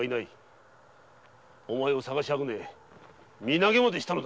お前を捜しあぐね身投げまでしたのだ。